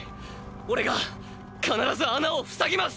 オレが必ず穴を塞ぎます！